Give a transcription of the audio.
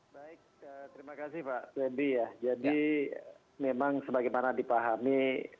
baik terima kasih pak fredy ya jadi memang sebagaimana dipahami